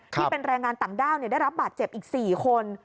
ที่เป็นแรงงานต่างด้าวได้รับบาดเจ็บอีก๔คน